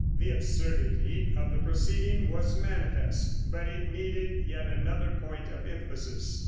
The absurdity of the proceeding was manifest, but it needed yet another point of emphasis.